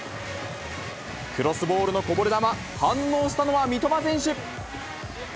クロスボールのこぼれ球、反応したのは三笘選手。